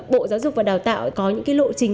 bộ giáo dục và đào tạo có những cái lộ chính